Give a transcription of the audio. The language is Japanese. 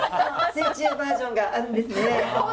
水中バージョンがあるんですね。